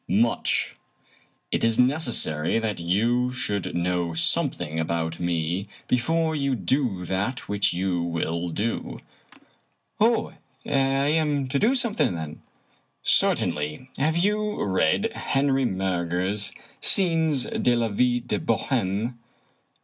" Much. It is necessary that you should know something about me before you do that which you will do." " Oh, I am to do something, then ?"" Certainly. Have you read Henri Murger's Schies de la Vie de Bohime?''